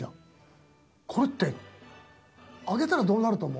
「これって揚げたらどうなると思う？」。